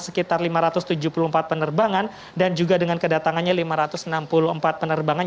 sekitar lima ratus tujuh puluh empat penerbangan dan juga dengan kedatangannya lima ratus enam puluh empat penerbangan